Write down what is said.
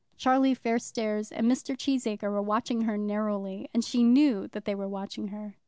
Charlie Fairstairs and Mr. Cheesacre were watching her narrowly, and she knew that they were watching her.